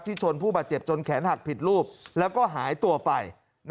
ชนผู้บาดเจ็บจนแขนหักผิดรูปแล้วก็หายตัวไป